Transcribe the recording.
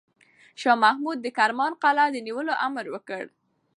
شاه محمود د کرمان قلعه د نیولو امر وکړ.